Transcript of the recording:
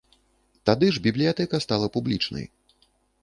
Тады ж бібліятэка стала публічнай.